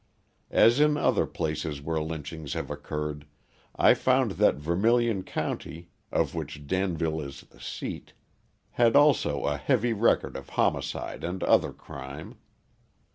As in other places where lynchings have occurred, I found that Vermilion County, of which Danville is the seat, had also a heavy record of homicide and other crime.